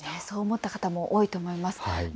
そう思った方も多いと思います。